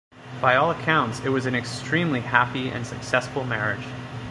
By all accounts, it was an extremely happy and successful marriage.